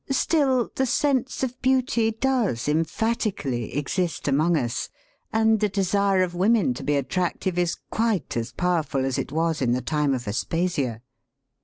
Still, the sense of beauty does emphatically exist among us, and the desire of women to be attrac tive is quite as powerful as it was in the time of Aspasia.